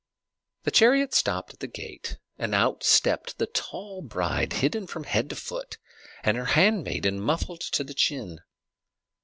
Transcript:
The chariot stopped at the gate, and out stepped the tall bride, hidden from head to foot, and her handmaiden muffled to the chin.